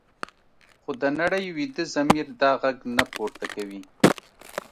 خو د نړۍ ویده ضمیر دا غږ نه پورته کوي.